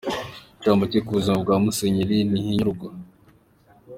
Incamake ku buzima bwa Musenyeri Ntihinyurwa.